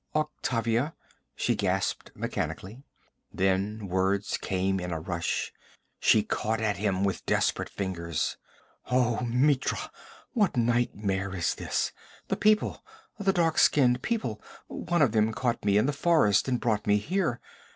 'Octavia,' she gasped mechanically. Then words came in a rush. She caught at him with desperate fingers. 'Oh Mitra! what nightmare is this? The people the dark skinned people one of them caught me in the forest and brought me here.